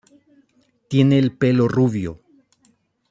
Tiene el pelo rubio.